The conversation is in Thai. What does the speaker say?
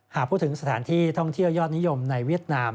หากพูดถึงสถานที่ท่องเที่ยวยอดนิยมในเวียดนาม